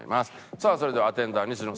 さあそれではアテンダー西野さん